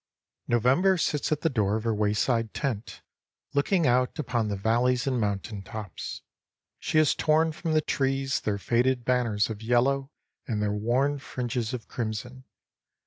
November sits at the door of her wayside tent looking out upon the valleys and mountain tops. She has torn from the trees their faded banners of yellow and their worn fringes of crimson.